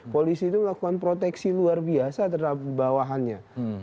polisi itu melakukan proteksi luar biasa terhadap bawahannya